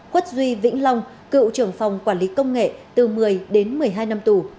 quất duy vĩnh long cựu trưởng phòng quản lý công nghệ từ một mươi đến một mươi hai năm tù